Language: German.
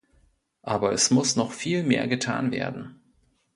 Aber es muss noch viel mehr getan werden.